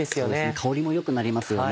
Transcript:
香りも良くなりますよね